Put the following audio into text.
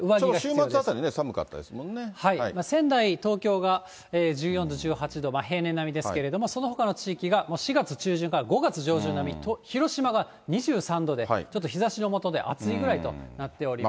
週末あたり、仙台、東京が１４度、１８度、平年並みですけれども、そのほかの地域が、４月中旬から５月中旬並み、広島が２３度で、ちょっと日ざしの下で暑いぐらいとなっております。